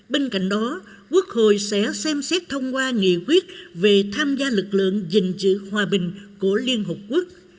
bên cạnh đó quốc hội sẽ xem xét thông qua nghị quyết về tham gia lực lượng dình chữ hòa bình của liên hợp quốc